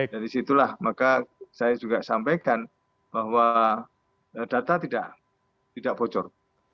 dari situlah maka saya juga sampaikan bahwa data tidak bocor